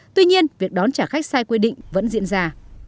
tuy nhiên việc đón trả khách sai quy định vẫn diễn ra